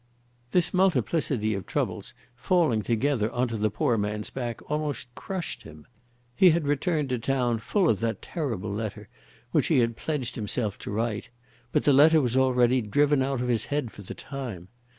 This multiplicity of troubles falling together on to the poor man's back almost crushed him. He had returned to town full of that terrible letter which he had pledged himself to write; but the letter was already driven out of his head for the time.